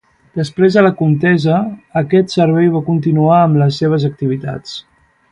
Després de la contesa, aquest servei va continuar amb les seves activitats.